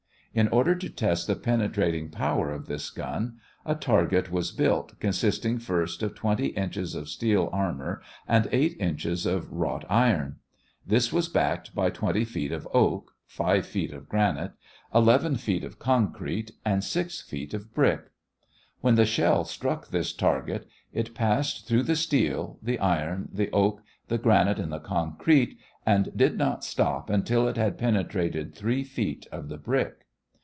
In order to test the penetrating power of this gun a target was built, consisting first of twenty inches of steel armor and eight inches of wrought iron; this was backed by twenty feet of oak, five feet of granite, eleven feet of concrete, and six feet of brick. When the shell struck this target it passed through the steel, the iron, the oak, the granite, and the concrete, and did not stop until it had penetrated three feet of the brick.